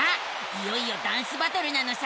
いよいよダンスバトルなのさ！